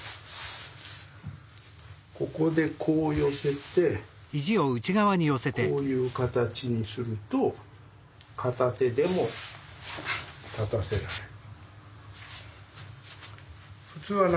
ここでこう寄せてこういう形にすると片手でも立たせられる。